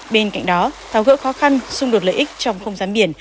bên cạnh đó tháo gỡ khó khăn xung đột lợi ích trong không gian biển